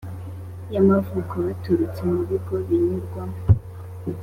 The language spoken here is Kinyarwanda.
y amavuko baturutse mu bigo binyurwamo